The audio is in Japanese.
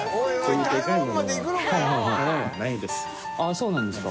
そうなんですか？